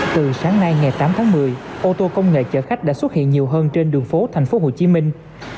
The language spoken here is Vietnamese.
từ sáng nay ngày tám tháng một mươi ô tô công nghệ chở khách đã xuất hiện nhiều hơn trên đường phố thành phố hồ chí minh